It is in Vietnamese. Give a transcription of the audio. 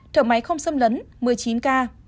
thở máy không xâm lấn một mươi chín ca